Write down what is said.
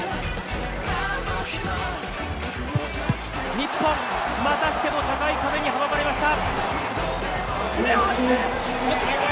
日本、またしても高い壁に阻まれました。